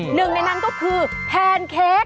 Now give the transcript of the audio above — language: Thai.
หนึ่งในนั้นก็คือแพนเค้ก